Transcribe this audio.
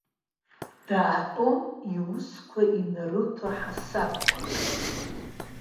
Даатәон иусқәа инарыҭо ҳасабқәак.